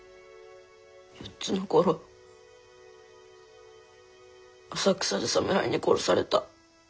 ４つの頃浅草で侍に殺された。